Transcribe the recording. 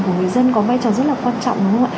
của người dân có vai trò rất là quan trọng đúng không ạ